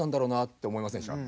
って思いませんでした？